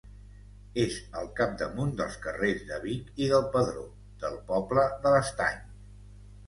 És al capdamunt dels carrers de Vic i del Pedró, del poble de l'Estany.